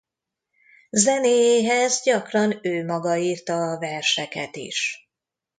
Zenéjéhez gyakran ő maga írta a verseket is.